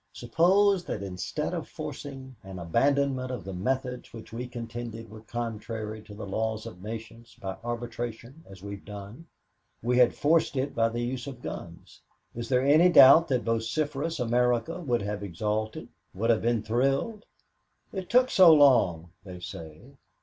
"Suppose that instead of forcing an abandonment of the methods which we contended were contrary to the laws of nations by arbitration as we have done, we had forced it by the use of guns is there any doubt that vociferous America would have exulted would have been thrilled? "'It took so long,' they say.